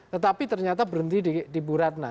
tetapi ternyata berhenti di bu ratna